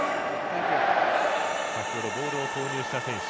先ほどボールを投入した選手。